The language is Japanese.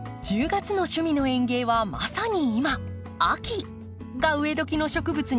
１０月の「趣味の園芸」はまさに今「秋」が植えどきの植物に注目。